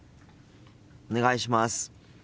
お願いします。